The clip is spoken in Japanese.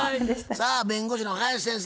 さあ弁護士の林先生